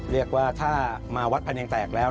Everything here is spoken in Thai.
เรียกว่าถ้ามาวัดพะเนียงแตกแล้ว